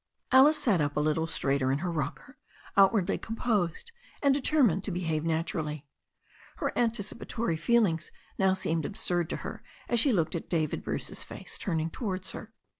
Alice sat up a little straighter in her rocker, outwardly composed, and determined to behave naturally. Her antic ipatory feelings now seemed absurd to her as she looked at David Bruce's face turning towards her.